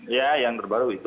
iya yang terbaru itu